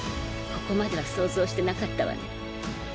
ここまでは想像してなかったわね。